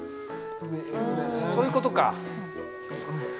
そういうことか。